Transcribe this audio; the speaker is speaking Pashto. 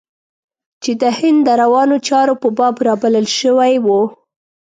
چې د هند د روانو چارو په باب رابلل شوی و.